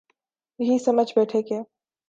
یہی سمجھ بیٹھے کہ